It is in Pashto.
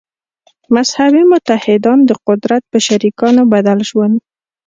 «مذهبي متحدان» د قدرت په شریکانو بدل شول.